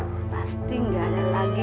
pasti tidak ada lagi